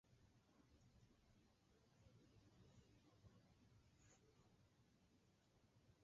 Upeichavérõ jepe ndoúi ha ndohói Kalo'ípe.